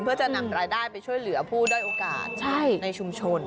เพื่อจะนำรายได้ไปช่วยเหลือผู้ด้อยโอกาสในชุมชน